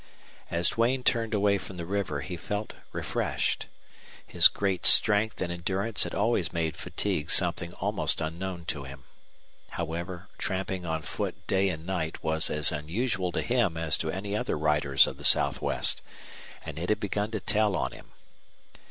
As Duane turned away from the river he felt refreshed. His great strength and endurance had always made fatigue something almost unknown to him. However, tramping on foot day and night was as unusual to him as to any other riders of the Southwest, and it had begun to tell on him.